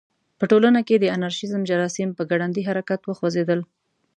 په ټولنه کې د انارشیزم جراثیم په ګړندي حرکت وخوځېدل.